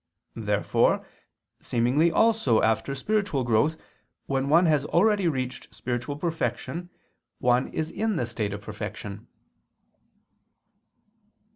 Therefore seemingly also after spiritual growth, when one has already reached spiritual perfection, one is in the state of perfection.